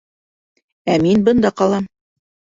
Ә мин бында ҡалам!